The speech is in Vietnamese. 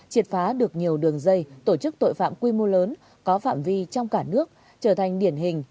triệt phá được nhiều đường dây tổ chức tội phạm quy mô lớn có phạm vi trong cả nước trở thành điển hình